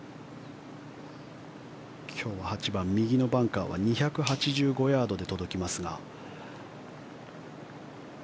今日は８番、右のバンカーは２８５ヤードで届きますが。